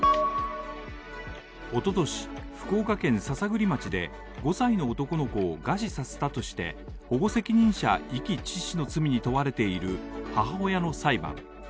おととし福岡県篠栗町で５歳の男の子を餓死させたとして保護責任者遺棄致死の罪に問われている母親の裁判。